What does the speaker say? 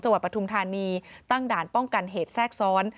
วัดปฐุมธานีตั้งด่านป้องกันเหตุแทรกซ้อน